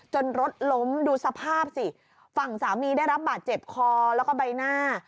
รถล้มดูสภาพสิฝั่งสามีได้รับบาดเจ็บคอแล้วก็ใบหน้า